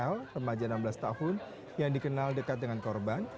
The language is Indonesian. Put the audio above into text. l re remaja enam belas tahun yang dikenal dekat dengan korban